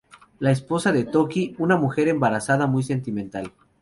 Es la esposa de Toki, una mujer embarazada muy sentimental.